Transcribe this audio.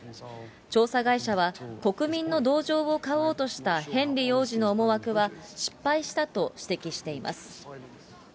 調査会社は、国民の同情を買おうとしたヘンリー王子の思惑は失敗したと指摘しています。